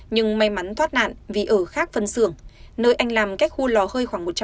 nhưng may mắn thoát nạn vì ở khác phân xưởng nơi anh làm cách khu lò hơi khoảng một trăm linh